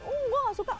oh gak suka